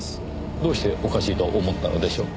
どうしておかしいと思ったのでしょう？